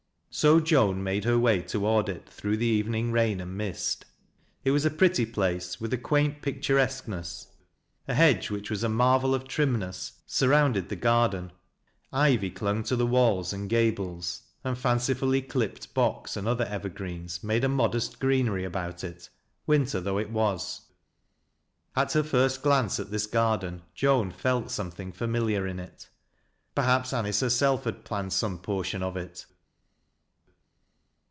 So Joan made her way toward it through the evening rain and mist. It was a pretty place, with a quaint pic turesqueness. A hedge, which was a marvel of trimneat , surrounded the garden, ivy clung to the walls and gables, and fancifully clipped box and other evergreens made a modest greenery about it, winter though it was. At her first glance at this garden Joan felt something familiar in it. Perhaps Anice herself had planned some portion of it.